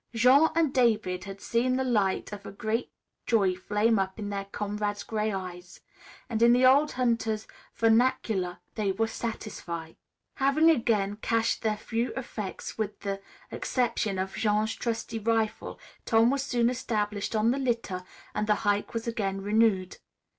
Jean and David had seen the light of a great joy flame up in their comrade's gray eyes, and in the old hunter's vernacular, they were "satisfy." Having again cachéd their few effects, with the exception of Jean's trusty rifle, Tom was soon established on the litter and the hike was again renewed.